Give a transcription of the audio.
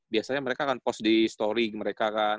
biasanya mereka kan post di story mereka kan